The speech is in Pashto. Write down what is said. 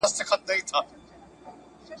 په دې باب دي څه لوستلي دي که نه دي